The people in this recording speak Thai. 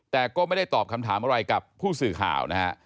แต่ก็ไม่ได้ตอบคำถามอะไรกับผู้สื่อข่าวนะฮะ